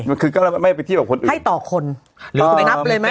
ก็คือก็ไม่ไปเทียบกับคนอื่นให้ต่อคนหรือคุณไปนับเลยไหม